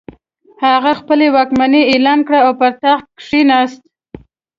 هغه خپله واکمني اعلان کړه او پر تخت کښېناست.